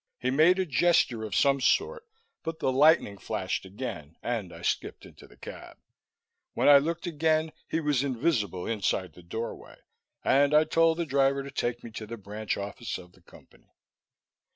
He made a gesture of some sort, but the lightning flashed again and I skipped into the cab. When I looked again he was invisible inside the doorway, and I told the driver to take me to the branch office of the Company.